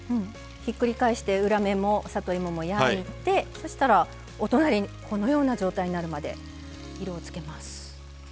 ひっくり返して裏面も里芋も焼いてそしたらお隣このような状態になるまで色をつけます。